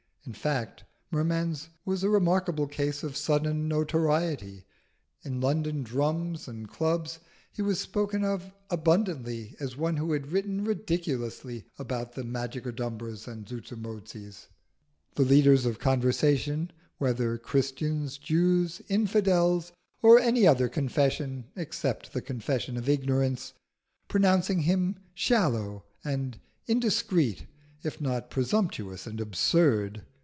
In fact, Merman's was a remarkable case of sudden notoriety. In London drums and clubs he was spoken of abundantly as one who had written ridiculously about the Magicodumbras and Zuzumotzis: the leaders of conversation, whether Christians, Jews, infidels, or of any other confession except the confession of ignorance, pronouncing him shallow and indiscreet if not presumptuous and absurd.